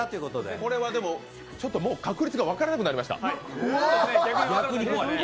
これは確率が分からなくなりました。